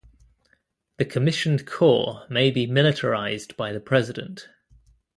The commissioned corps may be militarized by the President.